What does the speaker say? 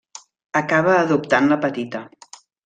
Acaba adoptant la petita.